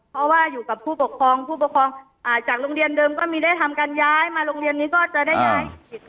เพราะว่าอยู่กับผู้ปกครองผู้ปกครองจากโรงเรียนเดิมก็มีได้ทำการย้ายมาโรงเรียนนี้ก็จะได้ย้าย